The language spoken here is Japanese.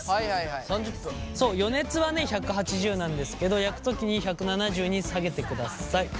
そう予熱はね１８０なんですけど焼く時に１７０に下げてください。